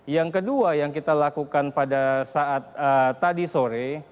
yang kedua yang kita lakukan pada saat tadi sore